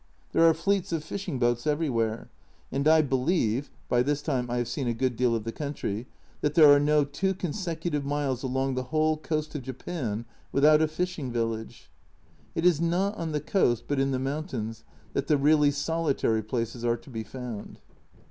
There are fleets of fishing boats everywhere and I believe (by this time I have seen a good deal of the country) that there are no consecutive 2 miles along the whole coast of Japan without a fishing village ! It is not on the coast, but in the mountains that the really solitary places are to be found.